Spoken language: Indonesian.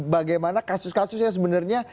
bagaimana kasus kasus yang sebenarnya